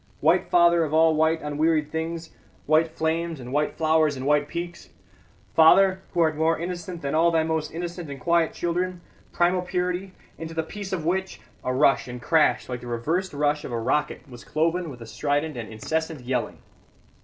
White Father of all white unwearied things, white flames and white flowers and white peaks. Father, who art more innocent than all thy most innocent and quiet children; primal purity, into the peace of which " A rush and crash like the reversed rush of a rocket was cloven with a strident and incessant yelling.